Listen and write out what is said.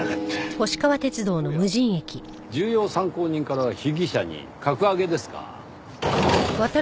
おや重要参考人から被疑者に格上げですか。